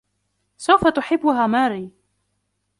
سوف تحبّها ماري.